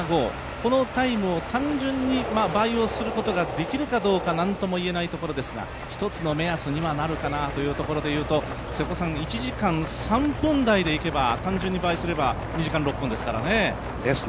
このタイムを単純に倍をすることができるか何ともいえないところですが１つの目安になるかなというところで言うと１時間３分台でいけば、単純に倍にすれば２時間６分ですからね。